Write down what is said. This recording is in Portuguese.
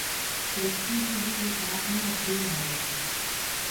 Preciso visitar minha prima hoje.